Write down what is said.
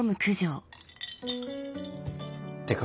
ってか